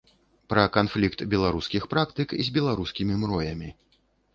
Пра канфлікт беларускіх практык з беларускімі мроямі.